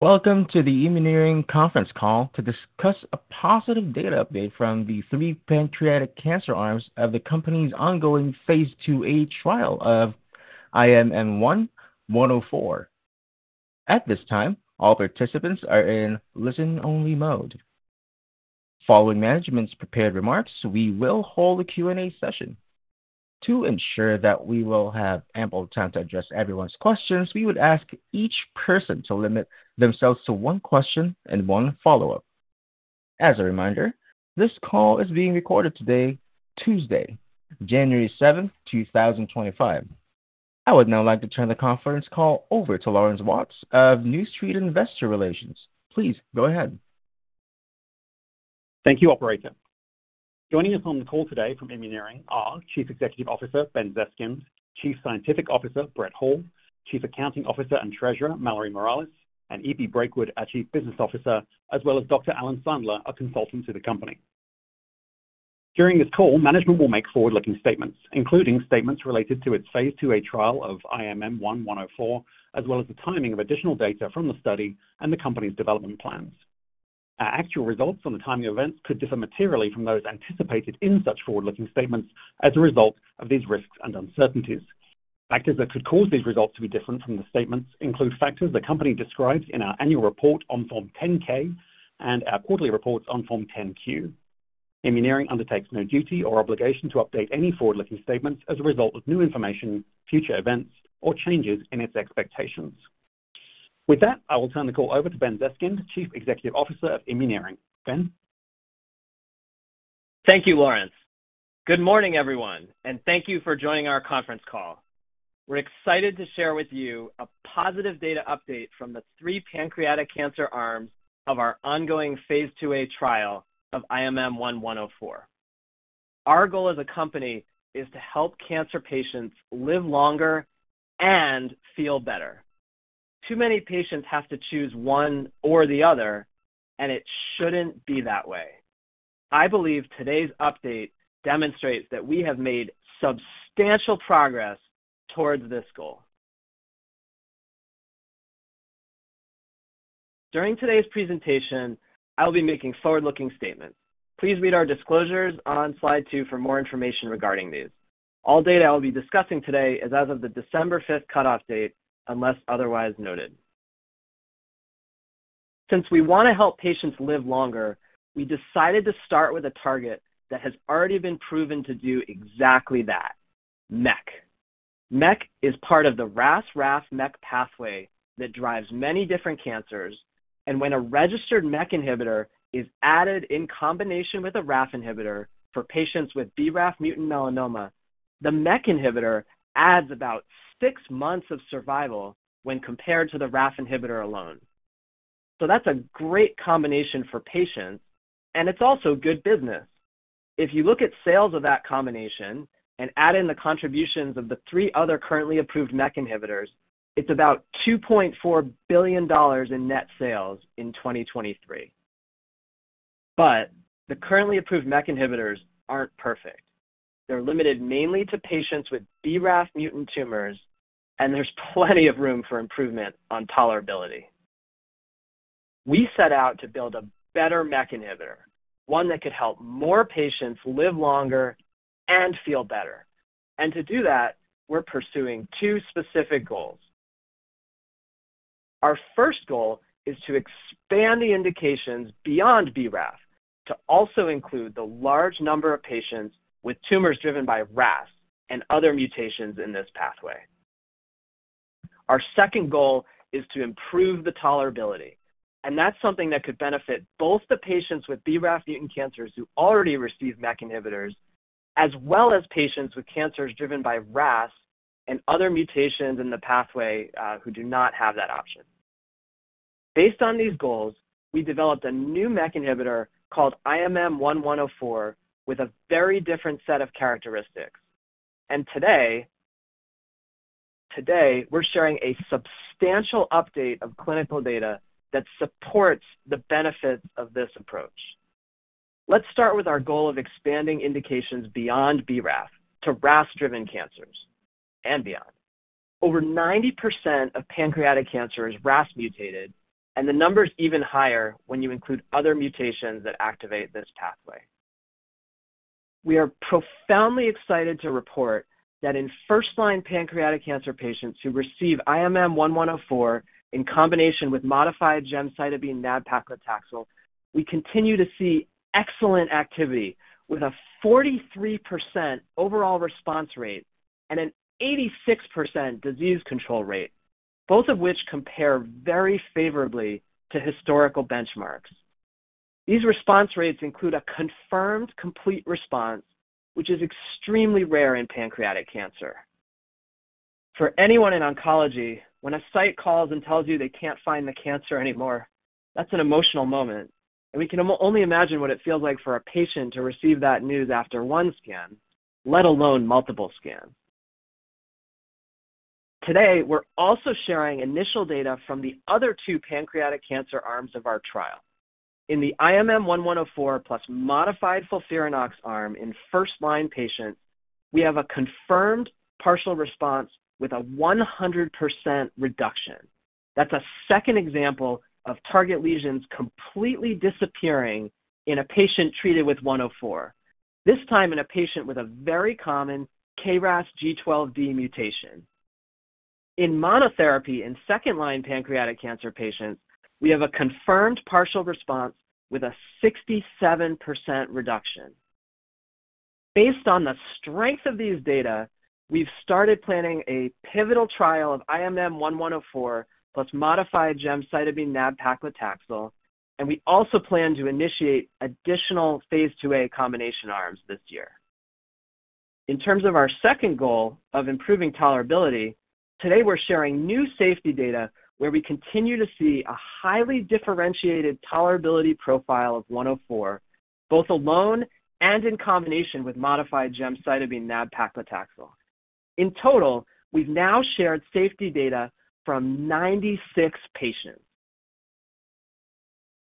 Welcome to the Immuneering Conference call to discuss a positive data update from the three pancreatic cancer arms of the company's ongoing phase IIA trial of IMM-1-104. At this time, all participants are in listen-only mode. Following management's prepared remarks, we will hold a Q&A session. To ensure that we will have ample time to address everyone's questions, we would ask each person to limit themselves to one question and one follow-up. As a reminder, this call is being recorded today, Tuesday, January 7, 2025. I would now like to turn the conference call over to Laurence Watts of New Street Investor Relations. Please go ahead. Thank you, Operator. Joining us on the call today from Immuneering are Chief Executive Officer Ben Zeskind, Chief Scientific Officer Brett Hall, Chief Accounting Officer and Treasurer Mallory Morales, and Peter Brakewood, our Chief Business Officer, as well as Dr. Alan Sandler, a consultant to the company. During this call, management will make forward-looking statements, including statements related to its phase IIA trial of IMM-1-104, as well as the timing of additional data from the study and the company's development plans. Our actual results on the timing of events could differ materially from those anticipated in such forward-looking statements as a result of these risks and uncertainties. Factors that could cause these results to be different from the statements include factors the company describes in our annual report on Form 10-K and our quarterly reports on Form 10-Q. Immuneering undertakes no duty or obligation to update any forward-looking statements as a result of new information, future events, or changes in its expectations. With that, I will turn the call over to Ben Zeskind, Chief Executive Officer of Immuneering. Ben. Thank you, Laurence. Good morning, everyone, and thank you for joining our conference call. We're excited to share with you a positive data update from the three pancreatic cancer arms of our ongoing phase IIA trial of IMM-1-104. Our goal as a company is to help cancer patients live longer and feel better. Too many patients have to choose one or the other, and it shouldn't be that way. I believe today's update demonstrates that we have made substantial progress towards this goal. During today's presentation, I will be making forward-looking statements. Please read our disclosures on slide two for more information regarding these. All data I will be discussing today is as of the December 5th cutoff date, unless otherwise noted. Since we want to help patients live longer, we decided to start with a target that has already been proven to do exactly that: MEK. MEK is part of the RAS/RAF/MEK pathway that drives many different cancers, and when a registered MEK inhibitor is added in combination with a RAF inhibitor for patients with BRAF mutant melanoma, the MEK inhibitor adds about six months of survival when compared to the RAF inhibitor alone. So that's a great combination for patients, and it's also good business. If you look at sales of that combination and add in the contributions of the three other currently approved MEK inhibitors, it's about $2.4 billion in net sales in 2023. But the currently approved MEK inhibitors aren't perfect. They're limited mainly to patients with BRAF mutant tumors, and there's plenty of room for improvement on tolerability. We set out to build a better MEK inhibitor, one that could help more patients live longer and feel better, and to do that, we're pursuing two specific goals. Our first goal is to expand the indications beyond BRAF to also include the large number of patients with tumors driven by RAS and other mutations in this pathway. Our second goal is to improve the tolerability, and that's something that could benefit both the patients with BRAF mutant cancers who already receive MEK inhibitors as well as patients with cancers driven by RAS and other mutations in the pathway who do not have that option. Based on these goals, we developed a new MEK inhibitor called IMM-1-104 with a very different set of characteristics. Today, we're sharing a substantial update of clinical data that supports the benefits of this approach. Let's start with our goal of expanding indications beyond BRAF to RAS-driven cancers and beyond. Over 90% of pancreatic cancer is RAS-mutated, and the numbers even higher when you include other mutations that activate this pathway. We are profoundly excited to report that in first-line pancreatic cancer patients who receive IMM-1-104 in combination with modified gemcitabine nab-paclitaxel, we continue to see excellent activity with a 43% overall response rate and an 86% disease control rate, both of which compare very favorably to historical benchmarks. These response rates include a confirmed complete response, which is extremely rare in pancreatic cancer. For anyone in oncology, when a site calls and tells you they can't find the cancer anymore, that's an emotional moment, and we can only imagine what it feels like for a patient to receive that news after one scan, let alone multiple scans. Today, we're also sharing initial data from the other two pancreatic cancer arms of our trial. In the IMM-1-104 plus modified FOLFIRINOX arm in first-line patients, we have a confirmed partial response with a 100% reduction. That's a second example of target lesions completely disappearing in a patient treated with 104, this time in a patient with a very common KRAS G12D mutation. In monotherapy in second-line pancreatic cancer patients, we have a confirmed partial response with a 67% reduction. Based on the strength of these data, we've started planning a pivotal trial of IMM-1-104 plus modified gemcitabine nab-paclitaxel, and we also plan to initiate additional phase IIA combination arms this year. In terms of our second goal of improving tolerability, today we're sharing new safety data where we continue to see a highly differentiated tolerability profile of 104, both alone and in combination with modified gemcitabine nab-paclitaxel. In total, we've now shared safety data from 96 patients.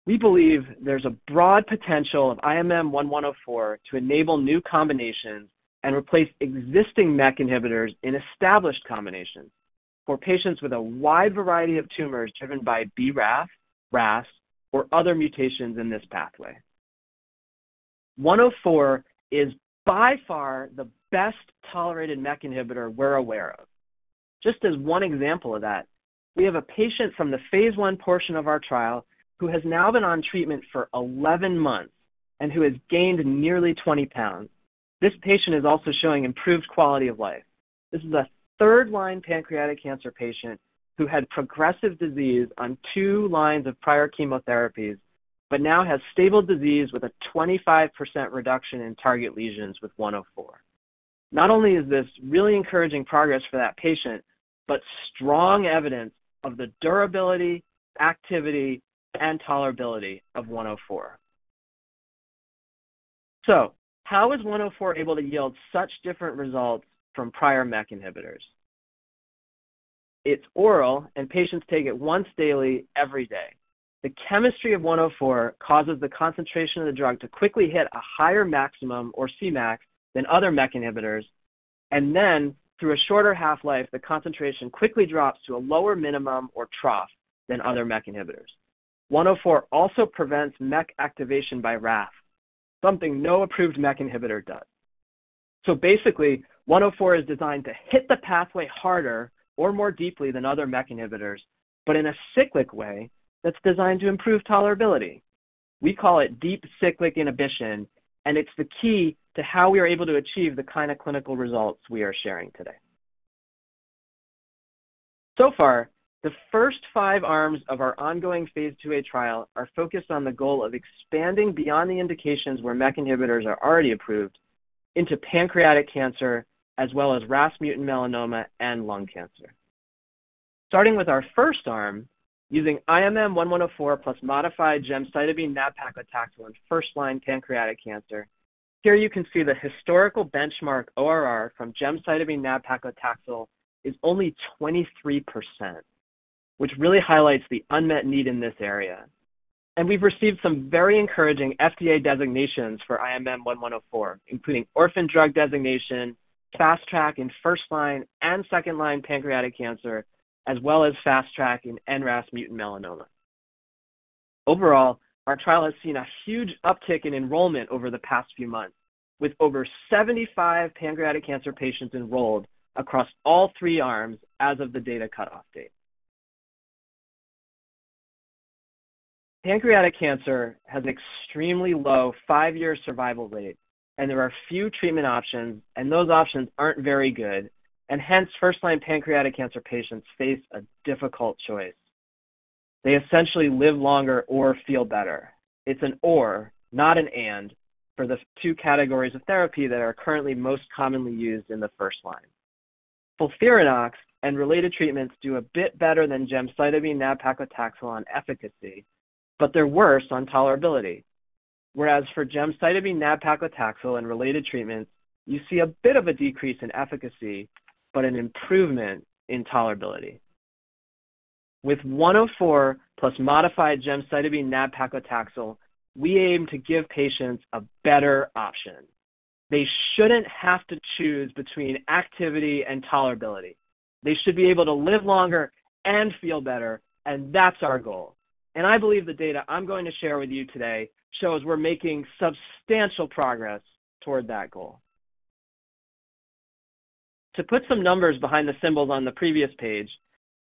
We believe there's a broad potential of IMM-1-104 to enable new combinations and replace existing MEK inhibitors in established combinations for patients with a wide variety of tumors driven by BRAF, RAS, or other mutations in this pathway. 104 is by far the best tolerated MEK inhibitor we're aware of. Just as one example of that, we have a patient from the phase I portion of our trial who has now been on treatment for 11 months and who has gained nearly 20 pounds. This patient is also showing improved quality of life. This is a third-line pancreatic cancer patient who had progressive disease on two lines of prior chemotherapies, but now has stable disease with a 25% reduction in target lesions with 104. Not only is this really encouraging progress for that patient, but strong evidence of the durability, activity, and tolerability of 104. So how is 104 able to yield such different results from prior MEK inhibitors? It's oral, and patients take it once daily every day. The chemistry of 104 causes the concentration of the drug to quickly hit a higher maximum or Cmax than other MEK inhibitors, and then through a shorter half-life, the concentration quickly drops to a lower minimum or trough than other MEK inhibitors. 104 also prevents MEK activation by RAF, something no approved MEK inhibitor does. So basically, 104 is designed to hit the pathway harder or more deeply than other MEK inhibitors, but in a cyclic way that's designed to improve tolerability. We call it Deep Cyclic Inhibition, and it's the key to how we are able to achieve the kind of clinical results we are sharing today. So far, the first five arms of our ongoing phase IIA trial are focused on the goal of expanding beyond the indications where MEK inhibitors are already approved into pancreatic cancer as well as RAS mutant melanoma and lung cancer. Starting with our first arm, using IMM-1-104 plus modified gemcitabine nab-paclitaxel in first-line pancreatic cancer, here you can see the historical benchmark ORR from gemcitabine nab-paclitaxel is only 23%, which really highlights the unmet need in this area. And we've received some very encouraging FDA designations for IMM-1-104, including orphan drug designation, fast track in first-line and second-line pancreatic cancer, as well as fast track in NRAS mutant melanoma. Overall, our trial has seen a huge uptick in enrollment over the past few months, with over 75 pancreatic cancer patients enrolled across all three arms as of the data cutoff date. Pancreatic cancer has an extremely low five-year survival rate, and there are few treatment options, and those options aren't very good, and hence first-line pancreatic cancer patients face a difficult choice. They essentially live longer or feel better. It's an or, not an and, for the two categories of therapy that are currently most commonly used in the first line. FOLFIRINOX and related treatments do a bit better than gemcitabine nab-paclitaxel on efficacy, but they're worse on tolerability. Whereas for gemcitabine nab-paclitaxel and related treatments, you see a bit of a decrease in efficacy, but an improvement in tolerability. With 104 plus modified gemcitabine nab-paclitaxel, we aim to give patients a better option. They shouldn't have to choose between activity and tolerability. They should be able to live longer and feel better, and that's our goal. I believe the data I'm going to share with you today shows we're making substantial progress toward that goal. To put some numbers behind the symbols on the previous page,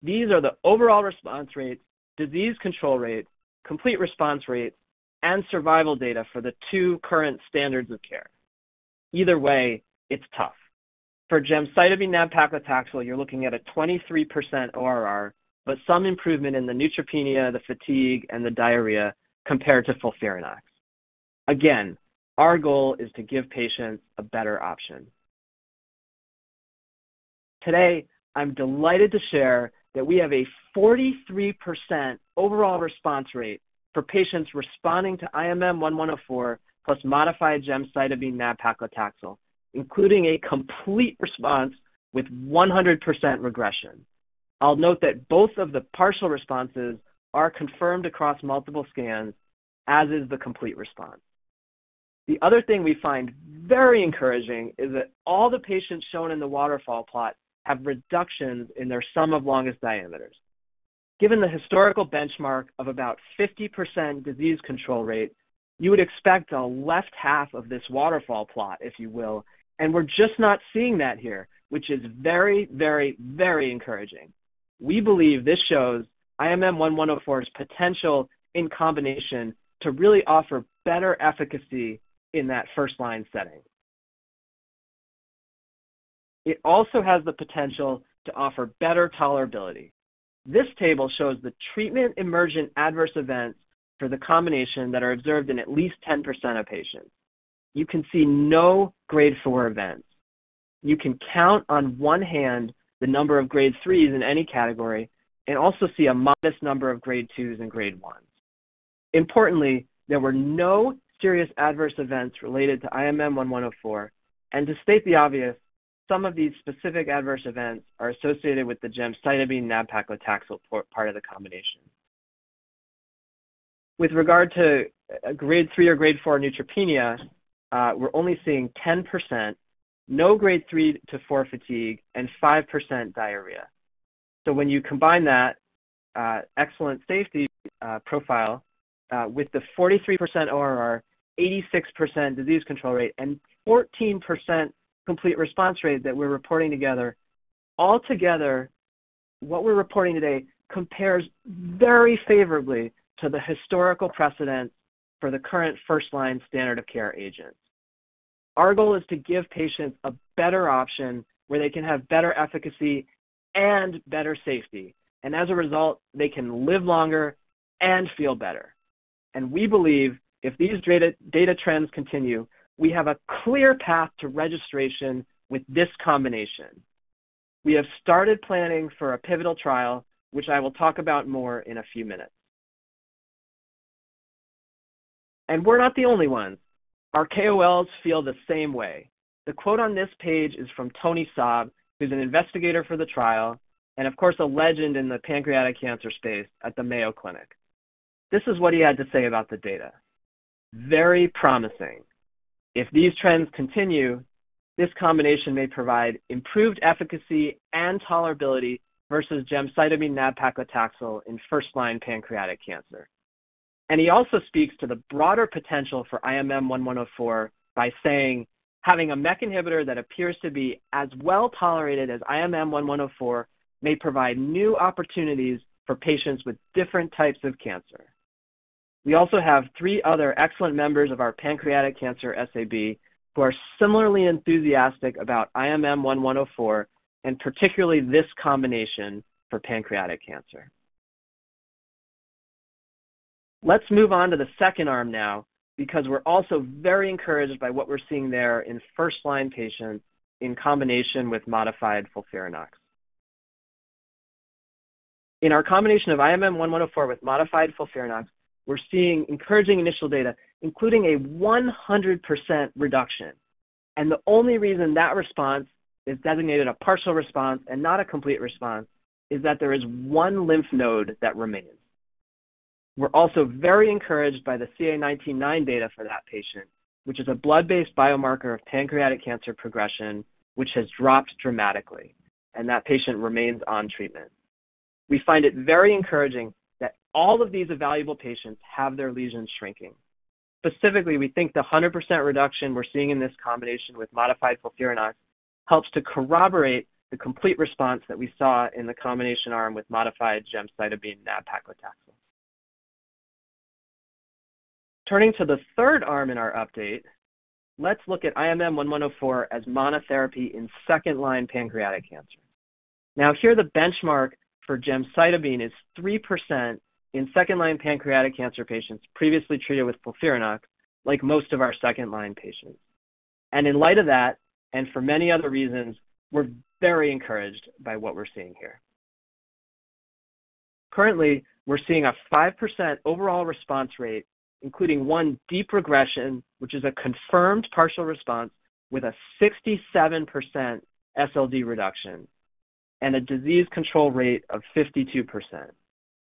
these are the overall response rate, disease control rate, complete response rate, and survival data for the two current standards of care. Either way, it's tough. For gemcitabine nab-paclitaxel, you're looking at a 23% ORR, but some improvement in the neutropenia, the fatigue, and the diarrhea compared to FOLFIRINOX. Again, our goal is to give patients a better option. Today, I'm delighted to share that we have a 43% overall response rate for patients responding to IMM-1-104 plus modified gemcitabine nab-paclitaxel, including a complete response with 100% regression. I'll note that both of the partial responses are confirmed across multiple scans, as is the complete response. The other thing we find very encouraging is that all the patients shown in the waterfall plot have reductions in their sum of longest diameters. Given the historical benchmark of about 50% disease control rate, you would expect a left half of this waterfall plot, if you will, and we're just not seeing that here, which is very, very, very encouraging. We believe this shows IMM-1-104's potential in combination to really offer better efficacy in that first-line setting. It also has the potential to offer better tolerability. This table shows the treatment emergent adverse events for the combination that are observed in at least 10% of patients. You can see no Grade 4 events. You can count on one hand the number of Grade 3s in any category and also see a modest number of Grade 2s and Grade 1s. Importantly, there were no serious adverse events related to IMM-1-104, and to state the obvious, some of these specific adverse events are associated with the gemcitabine nab-paclitaxel part of the combination. With regard to Grade 3 or Grade 4 neutropenia, we're only seeing 10%, no Grade 3 to 4 fatigue, and 5% diarrhea. So when you combine that excellent safety profile with the 43% ORR, 86% disease control rate, and 14% complete response rate that we're reporting together, altogether, what we're reporting today compares very favorably to the historical precedent for the current first-line standard of care agents. Our goal is to give patients a better option where they can have better efficacy and better safety, and as a result, they can live longer and feel better. And we believe if these data trends continue, we have a clear path to registration with this combination. We have started planning for a pivotal trial, which I will talk about more in a few minutes. And we're not the only ones. Our KOLs feel the same way. The quote on this page is from Tony Saab, who's an investigator for the trial and, of course, a legend in the pancreatic cancer space at the Mayo Clinic. This is what he had to say about the data: "Very promising. If these trends continue, this combination may provide improved efficacy and tolerability versus gemcitabine nab-paclitaxel in first-line pancreatic cancer." And he also speaks to the broader potential for IMM-1-104 by saying, "Having a MEK inhibitor that appears to be as well tolerated as IMM-1-104 may provide new opportunities for patients with different types of cancer." We also have three other excellent members of our pancreatic cancer SAB who are similarly enthusiastic about IMM-1-104 and particularly this combination for pancreatic cancer. Let's move on to the second arm now because we're also very encouraged by what we're seeing there in first-line patients in combination with modified FOLFIRINOX. In our combination of IMM-1-104 with modified FOLFIRINOX, we're seeing encouraging initial data, including a 100% reduction. And the only reason that response is designated a partial response and not a complete response is that there is one lymph node that remains. We're also very encouraged by the CA19-9 data for that patient, which is a blood-based biomarker of pancreatic cancer progression, which has dropped dramatically, and that patient remains on treatment. We find it very encouraging that all of these evaluable patients have their lesions shrinking. Specifically, we think the 100% reduction we're seeing in this combination with modified FOLFIRINOX helps to corroborate the complete response that we saw in the combination arm with modified gemcitabine nab-paclitaxel. Turning to the third arm in our update, let's look at IMM-1-104 as monotherapy in second-line pancreatic cancer. Now, here the benchmark for gemcitabine is 3% in second-line pancreatic cancer patients previously treated with FOLFIRINOX, like most of our second-line patients, and in light of that, and for many other reasons, we're very encouraged by what we're seeing here. Currently, we're seeing a 5% overall response rate, including one deep regression, which is a confirmed partial response with a 67% SLD reduction and a disease control rate of 52%.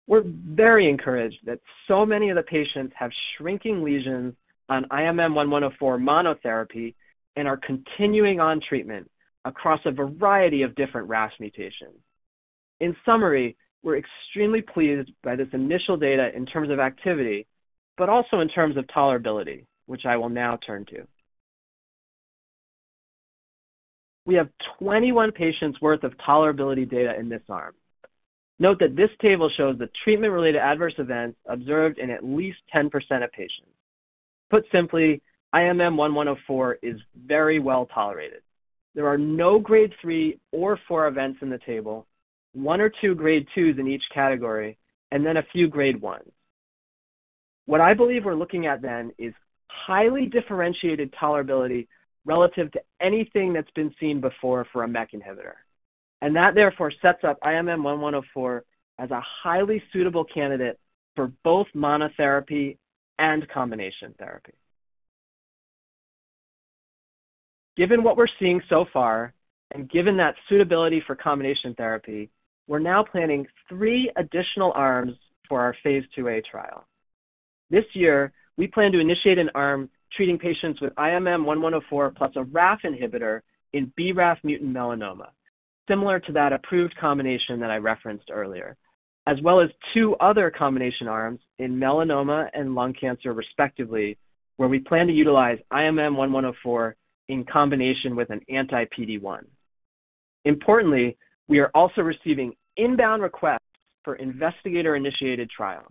We're very encouraged that so many of the patients have shrinking lesions on IMM-1-104 monotherapy and are continuing on treatment across a variety of different RAS mutations. In summary, we're extremely pleased by this initial data in terms of activity, but also in terms of tolerability, which I will now turn to. We have 21 patients' worth of tolerability data in this arm. Note that this table shows the treatment-related adverse events observed in at least 10% of patients. Put simply, IMM-1-104 is very well tolerated. There are no Grade 3 or 4 events in the table, one or two Grade 2s in each category, and then a few grade 1s. What I believe we're looking at then is highly differentiated tolerability relative to anything that's been seen before for a MEK inhibitor, and that therefore sets up IMM-1-104 as a highly suitable candidate for both monotherapy and combination therapy. Given what we're seeing so far and given that suitability for combination therapy, we're now planning three additional arms for our phase IIA trial. This year, we plan to initiate an arm treating patients with IMM-1-104 plus a RAF inhibitor in BRAF mutant melanoma, similar to that approved combination that I referenced earlier, as well as two other combination arms in melanoma and lung cancer respectively, where we plan to utilize IMM-1-104 in combination with an anti-PD-1. Importantly, we are also receiving inbound requests for investigator-initiated trials.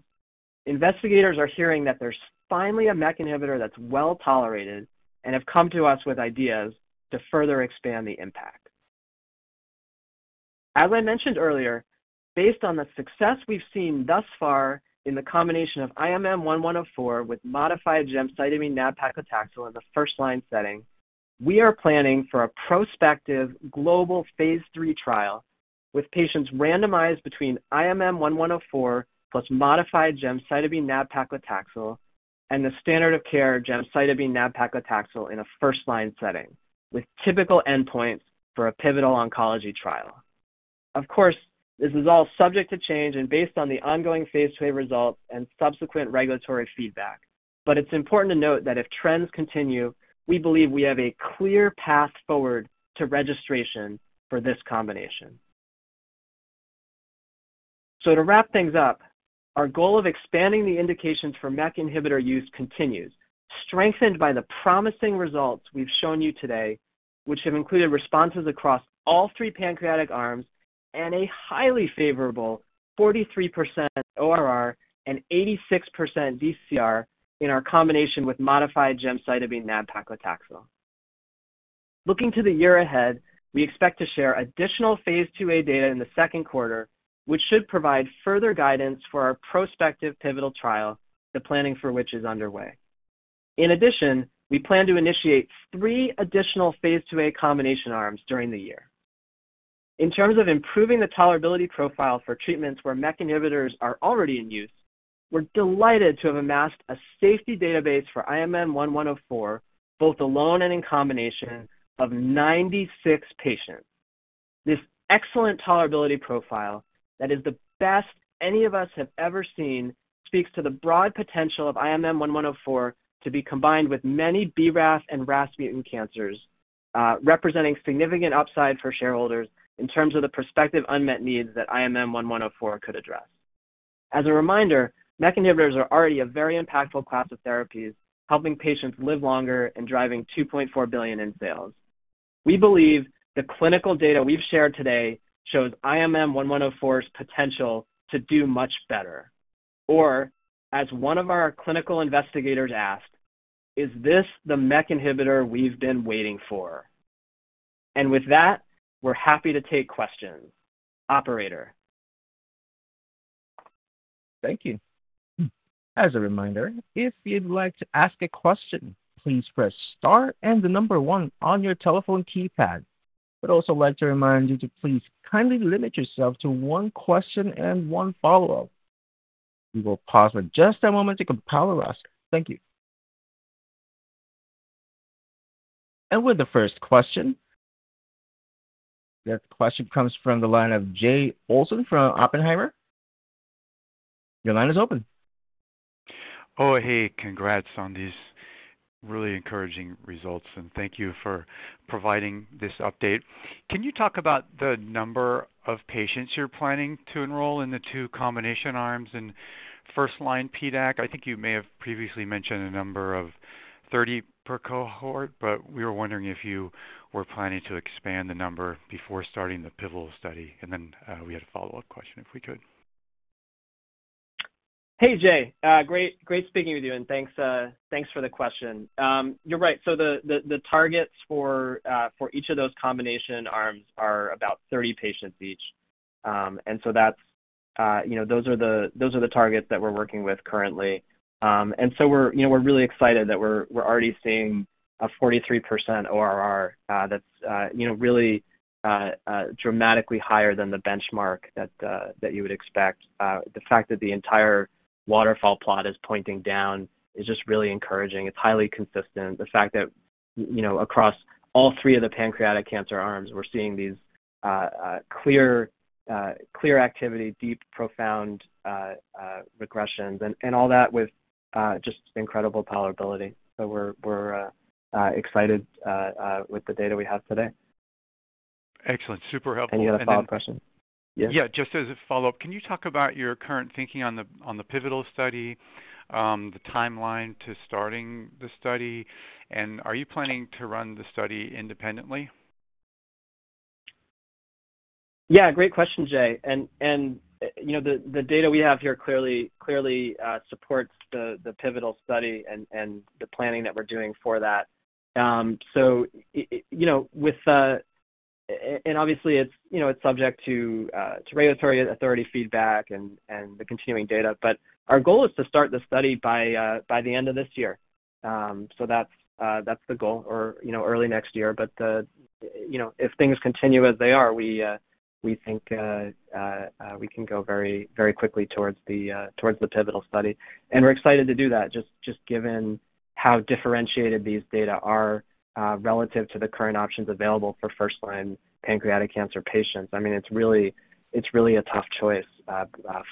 Investigators are hearing that there's finally a MEK inhibitor that's well tolerated and have come to us with ideas to further expand the impact. As I mentioned earlier, based on the success we've seen thus far in the combination of IMM-1-104 with modified gemcitabine nab-paclitaxel in the first-line setting, we are planning for a prospective global phase III trial with patients randomized between IMM-1-104 plus modified gemcitabine nab-paclitaxel and the standard of care gemcitabine nab-paclitaxel in a first-line setting, with typical endpoints for a pivotal oncology trial. Of course, this is all subject to change and based on the ongoing phase IIA results and subsequent regulatory feedback, but it's important to note that if trends continue, we believe we have a clear path forward to registration for this combination. So to wrap things up, our goal of expanding the indications for MEK inhibitor use continues, strengthened by the promising results we've shown you today, which have included responses across all three pancreatic arms and a highly favorable 43% ORR and 86% DCR in our combination with modified gemcitabine nab-paclitaxel. Looking to the year ahead, we expect to share additional phase IIA data in the second quarter, which should provide further guidance for our prospective pivotal trial, the planning for which is underway. In addition, we plan to initiate three additional phase IIA combination arms during the year. In terms of improving the tolerability profile for treatments where MEK inhibitors are already in use, we're delighted to have amassed a safety database for IMM-1-104, both alone and in combination, of 96 patients. This excellent tolerability profile that is the best any of us have ever seen speaks to the broad potential of IMM-1-104 to be combined with many BRAF and RAS mutant cancers, representing significant upside for shareholders in terms of the prospective unmet needs that IMM-1-104 could address. As a reminder, MEK inhibitors are already a very impactful class of therapies, helping patients live longer and driving $2.4 billion in sales. We believe the clinical data we've shared today shows IMM-1-104's potential to do much better. Or, as one of our clinical investigators asked, "Is this the MEK inhibitor we've been waiting for?" and with that, we're happy to take questions. Operator. Thank you. As a reminder, if you'd like to ask a question, please press star and the number one on your telephone keypad. We'd also like to remind you to please kindly limit yourself to one question and one follow-up. We will pause for just a moment to compile a list. Thank you. And with the first question, that question comes from the line of Jay Olsen from Oppenheimer. Your line is open. Oh, hey. Congrats on these really encouraging results, and thank you for providing this update. Can you talk about the number of patients you're planning to enroll in the two combination arms in first-line PDAC? I think you may have previously mentioned a number of 30 per cohort, but we were wondering if you were planning to expand the number before starting the pivotal study. And then we had a follow-up question if we could. Hey, Jay. Great speaking with you, and thanks for the question. You're right. So the targets for each of those combination arms are about 30 patients each. And so those are the targets that we're working with currently. And so we're really excited that we're already seeing a 43% ORR that's really dramatically higher than the benchmark that you would expect. The fact that the entire waterfall plot is pointing down is just really encouraging. It's highly consistent. The fact that across all three of the pancreatic cancer arms, we're seeing these clear activity, deep, profound regressions, and all that with just incredible tolerability. So we're excited with the data we have today. Excellent. Super helpful. Thanks. Any other follow-up questions? Yeah. Yeah. Just as a follow-up, can you talk about your current thinking on the pivotal study, the timeline to starting the study? And are you planning to run the study independently? Yeah. Great question, Jay. The data we have here clearly supports the pivotal study and the planning that we're doing for that. Obviously, it's subject to regulatory authority feedback and the continuing data, but our goal is to start the study by the end of this year. That's the goal, or early next year. If things continue as they are, we think we can go very quickly towards the pivotal study. We're excited to do that, just given how differentiated these data are relative to the current options available for first-line pancreatic cancer patients. I mean, it's really a tough choice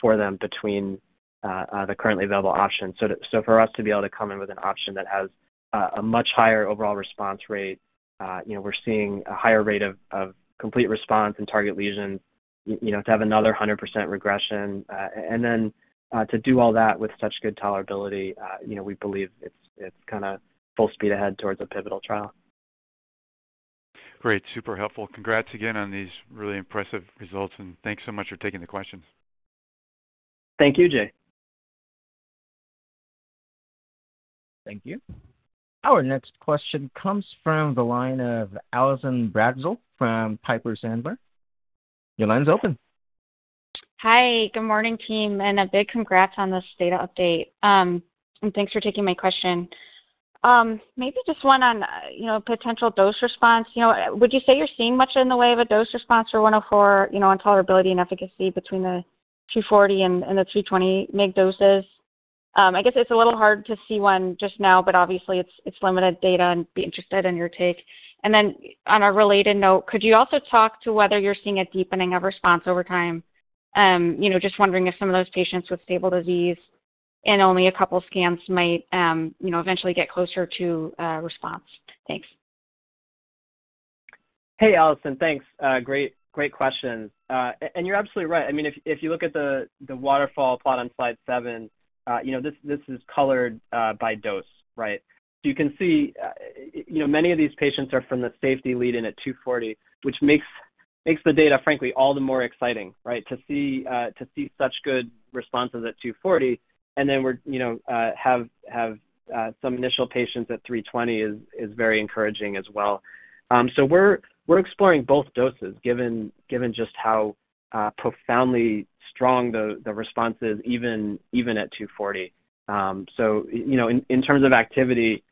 for them between the currently available options. For us to be able to come in with an option that has a much higher overall response rate, we're seeing a higher rate of complete response and target lesions, to have another 100% regression. And then to do all that with such good tolerability, we believe it's kind of full speed ahead towards a pivotal trial. Great. Super helpful. Congrats again on these really impressive results, and thanks so much for taking the questions. Thank you, Jay. Thank you. Our next question comes from the line of Allison Bratzel from Piper Sandler. Your line's open. Hi. Good morning, team, and a big congrats on this data update. And thanks for taking my question. Maybe just one on potential dose response. Would you say you're seeing much in the way of a dose response for 104 on tolerability and efficacy between the 240 and the 320 MEK doses? I guess it's a little hard to see one just now, but obviously, it's limited data, and I'd be interested in your take. And then on a related note, could you also talk to whether you're seeing a deepening of response over time? Just wondering if some of those patients with stable disease and only a couple scans might eventually get closer to response. Thanks. Hey, Allison. Thanks. Great question. And you're absolutely right. I mean, if you look at the waterfall plot on slide seven, this is colored by dose, right? So you can see many of these patients are from the safety lead-in at 240, which makes the data, frankly, all the more exciting, right? To see such good responses at 240, and then have some initial patients at 320 is very encouraging as well. So we're exploring both doses, given just how profoundly strong the response is even at 240. So in terms of activity,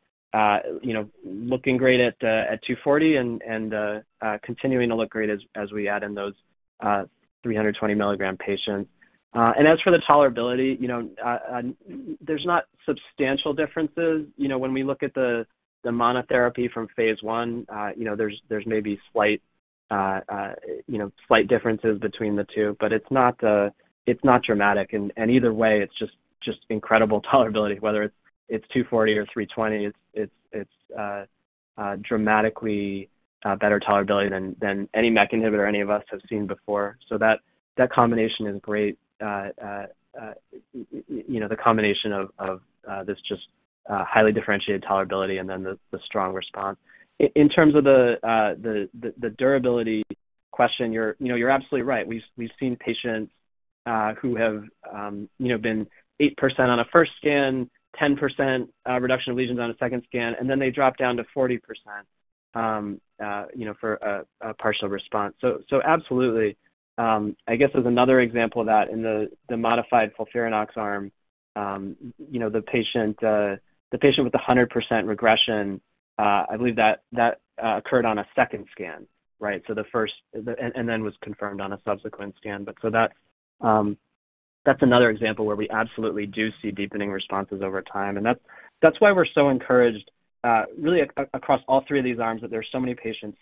looking great at 240 and continuing to look great as we add in those 320 milligram patients. And as for the tolerability, there's not substantial differences. When we look at the monotherapy from phase I, there's maybe slight differences between the two, but it's not dramatic. And either way, it's just incredible tolerability. Whether it's 240 or 320, it's dramatically better tolerability than any MEK inhibitor any of us have seen before. So that combination is great, the combination of this just highly differentiated tolerability and then the strong response. In terms of the durability question, you're absolutely right. We've seen patients who have been 8% on a first scan, 10% reduction of lesions on a second scan, and then they drop down to 40% for a partial response. So absolutely, I guess as another example of that, in the modified FOLFIRINOX arm, the patient with 100% regression, I believe that occurred on a second scan, right? And then was confirmed on a subsequent scan. But so that's another example where we absolutely do see deepening responses over time. And that's why we're so encouraged, really, across all three of these arms, that there are so many patients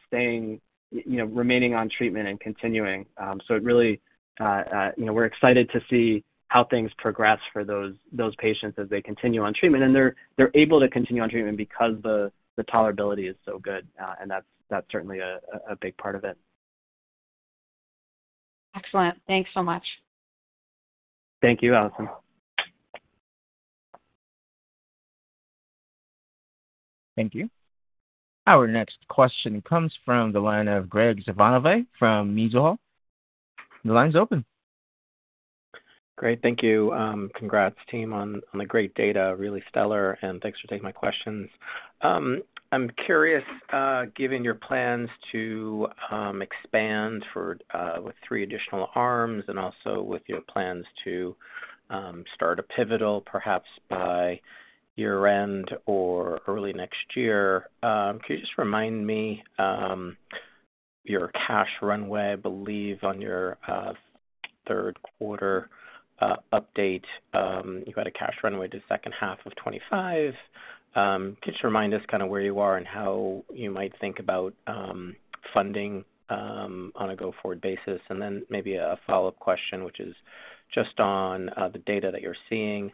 remaining on treatment and continuing. So really, we're excited to see how things progress for those patients as they continue on treatment. And they're able to continue on treatment because the tolerability is so good, and that's certainly a big part of it. Excellent. Thanks so much. Thank you, Allison. Thank you. Our next question comes from the line of Graig Suvannavejh from Mizuho. The line's open. Great. Thank you. Congrats, team, on the great data. Really stellar, and thanks for taking my questions. I'm curious, given your plans to expand with three additional arms and also with your plans to start a pivotal, perhaps by year-end or early next year, could you just remind me your cash runway, I believe, on your third quarter update? You had a cash runway to second half of 2025. Could you just remind us kind of where you are and how you might think about funding on a go-forward basis? And then maybe a follow-up question, which is just on the data that you're seeing.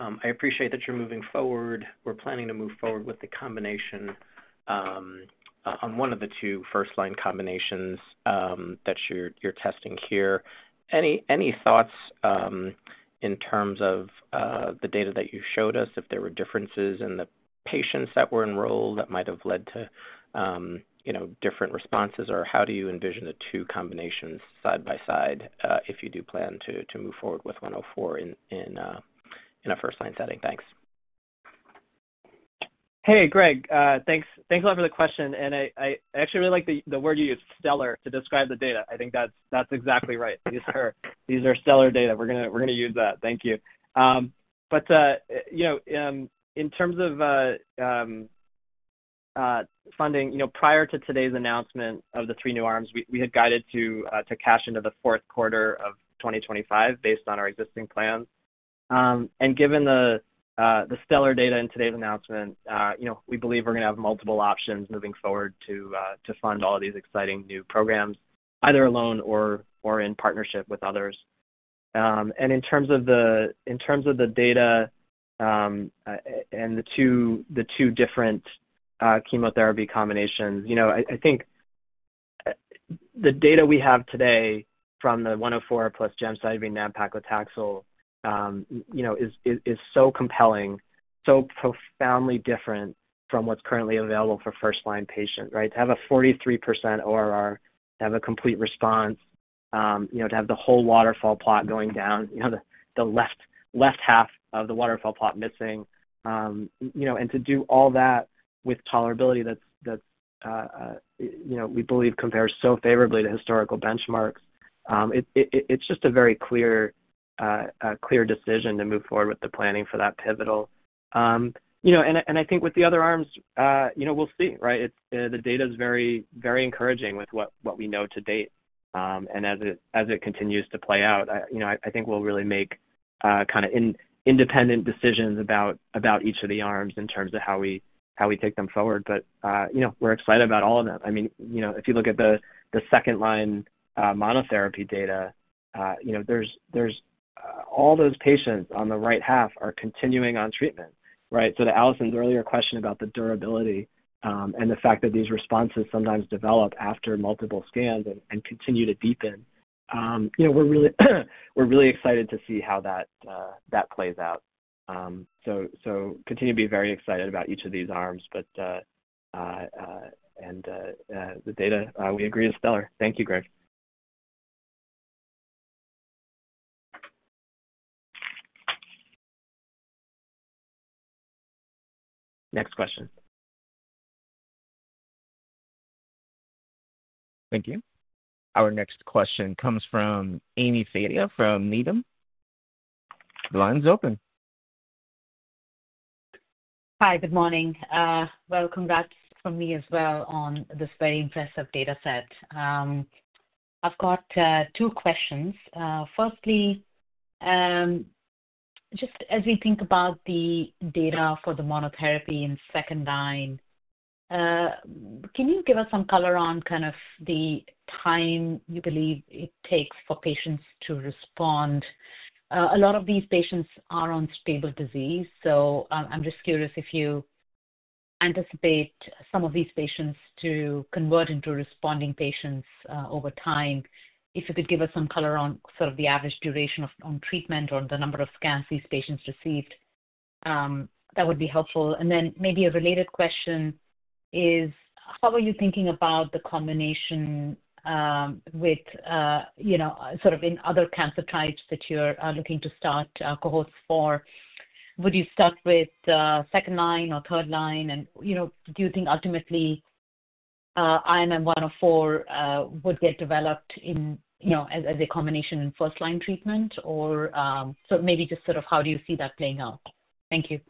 I appreciate that you're moving forward. We're planning to move forward with the combination on one of the two first-line combinations that you're testing here. Any thoughts in terms of the data that you showed us, if there were differences in the patients that were enrolled that might have led to different responses, or how do you envision the two combinations side by side if you do plan to move forward with 104 in a first-line setting? Thanks. Hey, Greg. Thanks a lot for the question. And I actually really like the word you used, stellar, to describe the data. I think that's exactly right. These are stellar data. We're going to use that. Thank you. But in terms of funding, prior to today's announcement of the three new arms, we had guided to cash into the fourth quarter of 2025 based on our existing plans. Given the stellar data in today's announcement, we believe we're going to have multiple options moving forward to fund all of these exciting new programs, either alone or in partnership with others. In terms of the data and the two different chemotherapy combinations, I think the data we have today from the 104 plus gemcitabine and nab-paclitaxel is so compelling, so profoundly different from what's currently available for first-line patients, right? To have a 43% ORR, to have a complete response, to have the whole waterfall plot going down, the left half of the waterfall plot missing, and to do all that with tolerability that we believe compares so favorably to historical benchmarks, it's just a very clear decision to move forward with the planning for that pivotal. I think with the other arms, we'll see, right? The data is very encouraging with what we know to date, and as it continues to play out, I think we'll really make kind of independent decisions about each of the arms in terms of how we take them forward, but we're excited about all of them. I mean, if you look at the second-line monotherapy data, all those patients on the right half are continuing on treatment, right? So to Allison's earlier question about the durability and the fact that these responses sometimes develop after multiple scans and continue to deepen, we're really excited to see how that plays out, so continue to be very excited about each of these arms, and the data, we agree is stellar. Thank you, Graig. Next question. Thank you. Our next question comes from Ami Fadia from Needham. The line's open. Hi. Good morning. Congrats from me as well on this very impressive dataset. I've got two questions. Firstly, just as we think about the data for the monotherapy in second line, can you give us some color on kind of the time you believe it takes for patients to respond? A lot of these patients are on stable disease. So I'm just curious if you anticipate some of these patients to convert into responding patients over time. If you could give us some color on sort of the average duration on treatment or the number of scans these patients received, that would be helpful. And then maybe a related question is, how are you thinking about the combination with sort of in other cancer types that you're looking to start cohorts for? Would you start with second line or third line? Do you think ultimately IMM-1-104 would get developed as a combination in first-line treatment? Or so maybe just sort of how do you see that playing out? Thank you.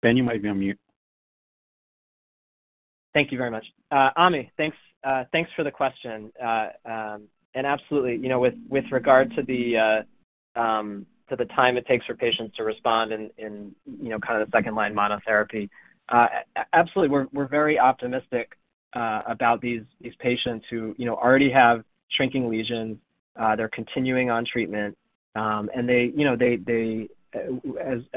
Ben, you might be on mute. Thank you very much. Ami, thanks for the question. And absolutely, with regard to the time it takes for patients to respond in kind of the second-line monotherapy, absolutely, we're very optimistic about these patients who already have shrinking lesions. They're continuing on treatment. And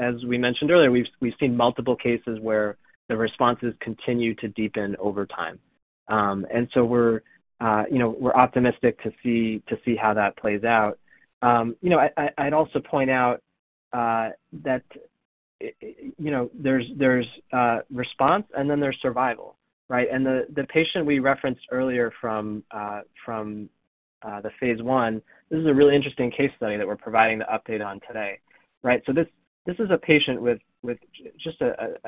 as we mentioned earlier, we've seen multiple cases where the responses continue to deepen over time. And so we're optimistic to see how that plays out. I'd also point out that there's response, and then there's survival, right? And the patient we referenced earlier from the phase I, this is a really interesting case study that we're providing the update on today, right? This is a patient with just a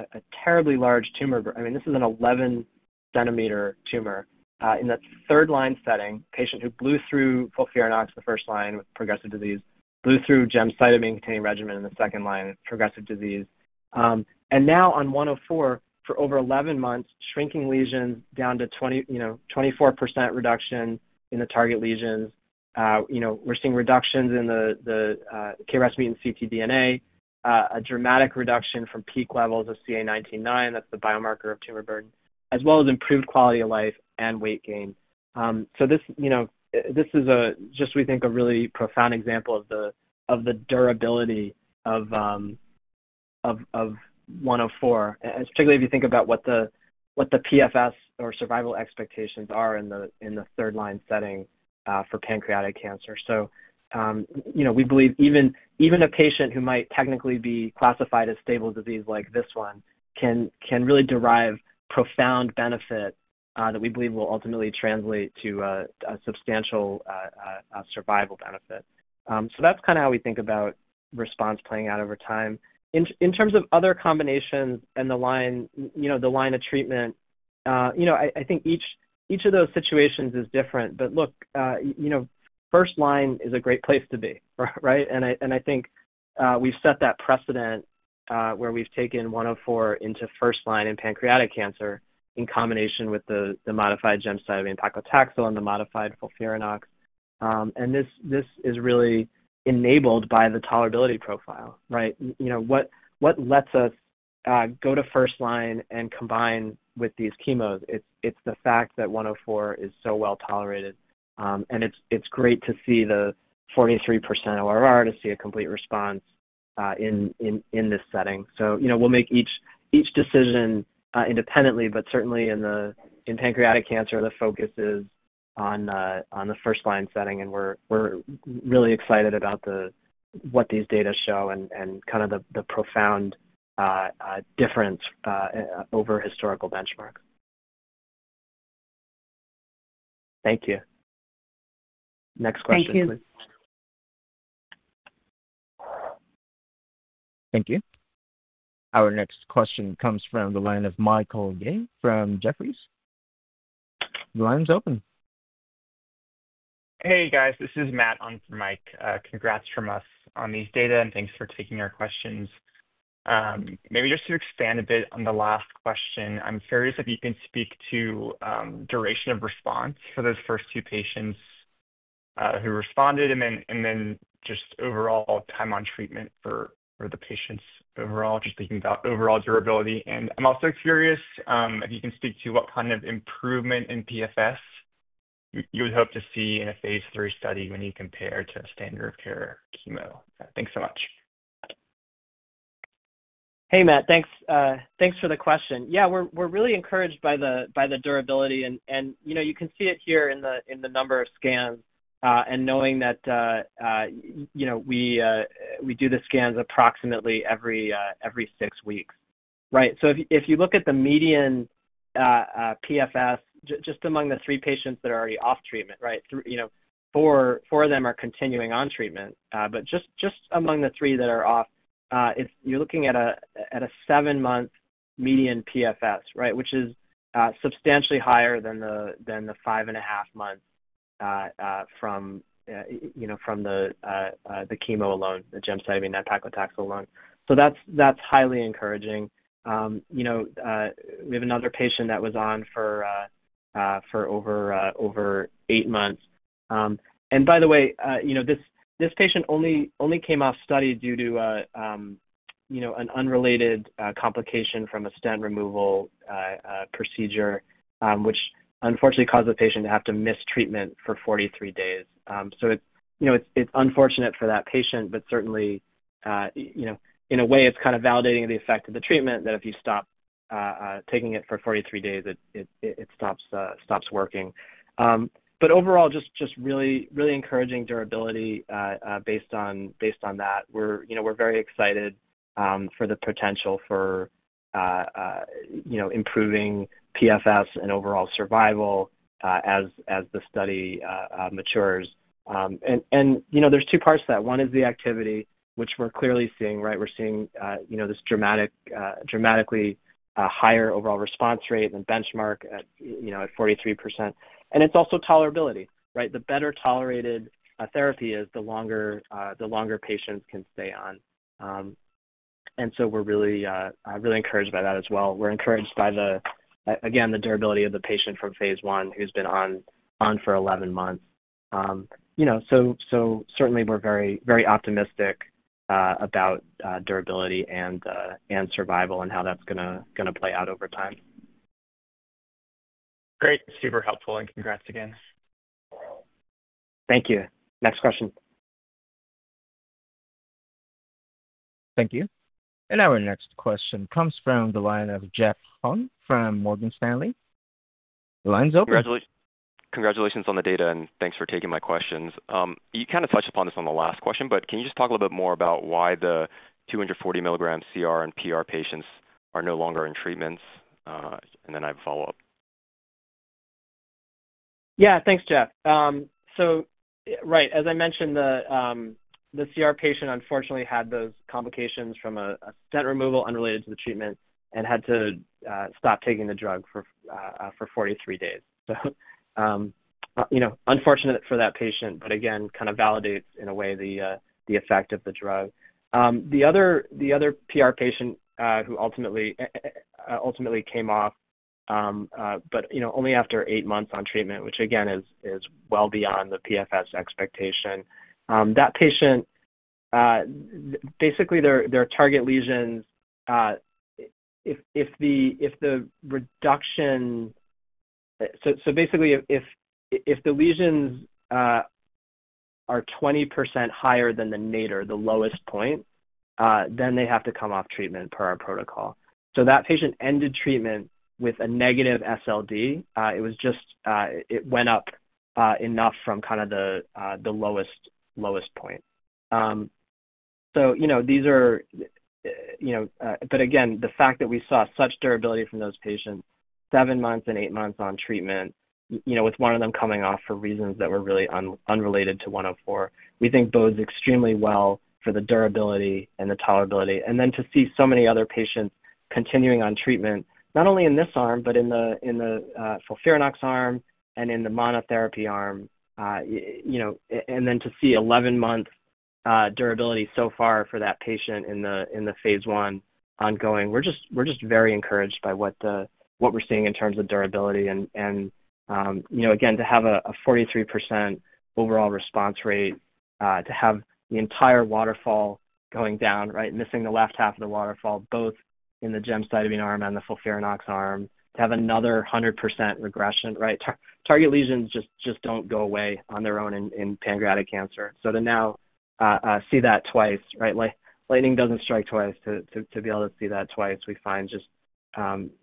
terribly large tumor. I mean, this is an 11 cm tumor in the third-line setting, patient who blew through FOLFIRINOX in the first line with progressive disease, blew through gemcitabine-containing regimen in the second line with progressive disease. And now on 104, for over 11 months, shrinking lesions down to 24% reduction in the target lesions. We're seeing reductions in the KRAS mutant ctDNA, a dramatic reduction from peak levels of CA19-9, that's the biomarker of tumor burden, as well as improved quality of life and weight gain. This is just, we think, a really profound example of the durability of 104, particularly if you think about what the PFS or survival expectations are in the third-line setting for pancreatic cancer. So we believe even a patient who might technically be classified as stable disease like this one can really derive profound benefit that we believe will ultimately translate to a substantial survival benefit. So that's kind of how we think about response playing out over time. In terms of other combinations and the line of treatment, I think each of those situations is different. But look, first line is a great place to be, right? And I think we've set that precedent where we've taken 104 into first-line in pancreatic cancer in combination with the modified gemcitabine paclitaxel and the modified FOLFIRINOX. And this is really enabled by the tolerability profile, right? What lets us go to first line and combine with these chemos? It's the fact that 104 is so well tolerated. And it's great to see the 43% ORR, to see a complete response in this setting. So we'll make each decision independently, but certainly in pancreatic cancer, the focus is on the first-line setting. And we're really excited about what these data show and kind of the profound difference over historical benchmarks. Thank you. Next question, please. Thank you. Thank you. Our next question comes from the line of Michael Yee from Jefferies. The line's open. Hey, guys. This is Matt on for Mike. Congrats from us on these data, and thanks for taking our questions. Maybe just to expand a bit on the last question, I'm curious if you can speak to duration of response for those first two patients who responded and then just overall time on treatment for the patients overall, just thinking about overall durability. I'm also curious if you can speak to what kind of improvement in PFS you would hope to see in a phase III study when you compare to standard of care chemo. Thanks so much. Hey, Matt. Thanks for the question. Yeah, we're really encouraged by the durability. You can see it here in the number of scans and knowing that we do the scans approximately every six weeks, right? If you look at the median PFS just among the three patients that are already off treatment, right? Four of them are continuing on treatment. But just among the three that are off, you're looking at a seven-month median PFS, right, which is substantially higher than the five-and-a-half months from the chemo alone, the gemcitabine and paclitaxel alone. That's highly encouraging. We have another patient that was on for over eight months. By the way, this patient only came off study due to an unrelated complication from a stent removal procedure, which unfortunately caused the patient to have to miss treatment for 43 days. It's unfortunate for that patient, but certainly, in a way, it's kind of validating the effect of the treatment that if you stop taking it for 43 days, it stops working. Overall, just really encouraging durability based on that. We're very excited for the potential for improving PFS and overall survival as the study matures. There's two parts to that. One is the activity, which we're clearly seeing, right? We're seeing this dramatically higher overall response rate than benchmark at 43%. It's also tolerability, right? The better tolerated therapy is the longer patients can stay on. We're really encouraged by that as well. We're encouraged by, again, the durability of the patient from phase I who's been on for 11 months. So certainly, we're very optimistic about durability and survival and how that's going to play out over time. Great. Super helpful. And congrats again. Thank you. Next question. Thank you. And our next question comes from the line of Jeff Hung from Morgan Stanley. The line's open. Congratulations on the data, and thanks for taking my questions. You kind of touched upon this on the last question, but can you just talk a little bit more about why the 240 milligram CR and PR patients are no longer in treatments? And then I have a follow-up. Yeah. Thanks, Jeff. So right, as I mentioned, the CR patient unfortunately had those complications from a stent removal unrelated to the treatment and had to stop taking the drug for 43 days. So unfortunate for that patient, but again, kind of validates in a way the effect of the drug. The other PR patient who ultimately came off, but only after eight months on treatment, which again is well beyond the PFS expectation. That patient, basically, their target lesions, if the reduction so basically, if the lesions are 20% higher than the nadir, the lowest point, then they have to come off treatment per our protocol, so that patient ended treatment with a negative SLD. It went up enough from kind of the lowest point. But again, the fact that we saw such durability from those patients, seven months and eight months on treatment, with one of them coming off for reasons that were really unrelated to 104, we think bodes extremely well for the durability and the tolerability. And then to see so many other patients continuing on treatment, not only in this arm, but in the FOLFIRINOX arm and in the monotherapy arm, and then to see 11-month durability so far for that patient in the phase I ongoing, we're just very encouraged by what we're seeing in terms of durability. And again, to have a 43% overall response rate, to have the entire waterfall going down, right, missing the left half of the waterfall, both in the Gemcitabine arm and the FOLFIRINOX arm, to have another 100% regression, right? Target lesions just don't go away on their own in pancreatic cancer. So to now see that twice, right? Lightning doesn't strike twice. To be able to see that twice, we find just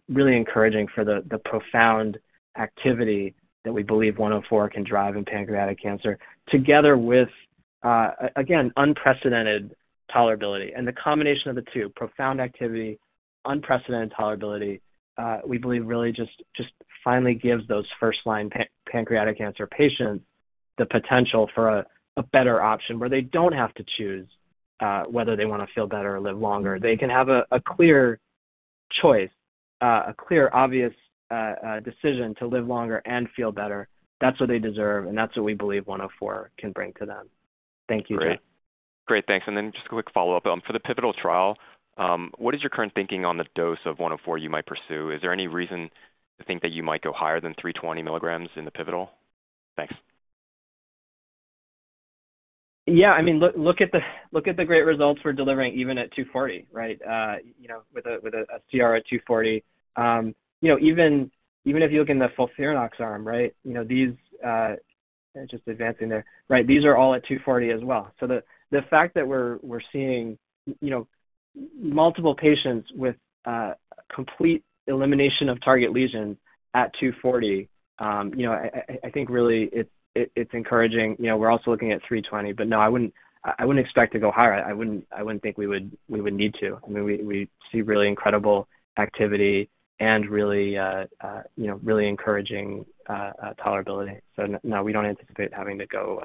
really encouraging for the profound activity that we believe 104 can drive in pancreatic cancer, together with, again, unprecedented tolerability. and the combination of the two, profound activity, unprecedented tolerability, we believe really just finally gives those first-line pancreatic cancer patients the potential for a better option where they don't have to choose whether they want to feel better or live longer. They can have a clear choice, a clear, obvious decision to live longer and feel better. That's what they deserve, and that's what we believe 104 can bring to them. Thank you, Jeff. Great. Thanks. And then just a quick follow-up. For the pivotal trial, what is your current thinking on the dose of 104 you might pursue? Is there any reason to think that you might go higher than 320 milligrams in the pivotal? Thanks. Yeah. I mean, look at the great results we're delivering even at 240, right, with a CR at 240. Even if you look in the FOLFIRINOX arm, right, just advancing there, right, these are all at 240 as well. So the fact that we're seeing multiple patients with complete elimination of target lesions at 240, I think really it's encouraging. We're also looking at 320, but no, I wouldn't expect to go higher. I wouldn't think we would need to. I mean, we see really incredible activity and really encouraging tolerability. So no, we don't anticipate having to go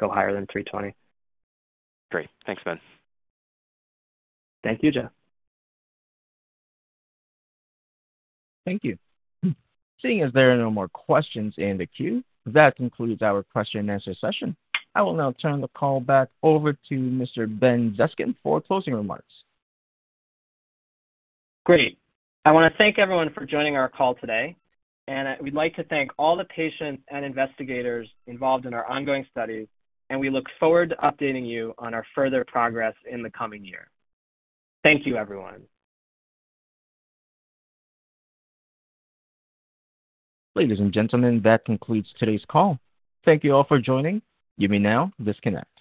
higher than 320. Great. Thanks, Ben. Thank you, Jeff. Thank you. Seeing as there are no more questions in the queue, that concludes our question-and-answer session. I will now turn the call back over to Mr. Ben Zeskind for closing remarks. Great. I want to thank everyone for joining our call today, and we'd like to thank all the patients and investigators involved in our ongoing studies. We look forward to updating you on our further progress in the coming year. Thank you, everyone. Ladies and gentlemen, that concludes today's call. Thank you all for joining. You may now disconnect.